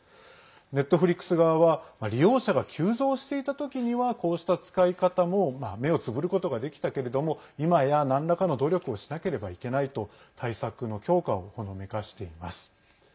ネットフリックス側は利用者が急増していたときにはこうした使い方も目をつぶることができたけれどもいまや、なんらかの努力をしなければいけないと対策の強化をほのめかしています。